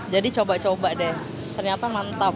jadi coba coba deh ternyata mantap